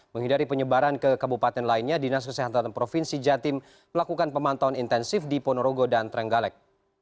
menghindari penyebaran ke kabupaten lainnya dinas kesehatan provinsi jatim melakukan pemantauan intensif di ponorogo dan trenggalek